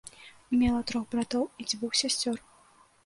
Мела трох братоў і дзвюх сясцёр.